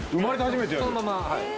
そのまま。